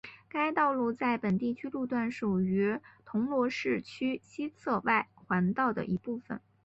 该道路在本地区路段属于铜锣市区西侧外环道的一部分。